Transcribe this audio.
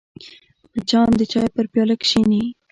مچان د چای پر پیاله کښېني